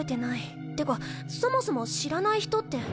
ってかそもそも知らない人って。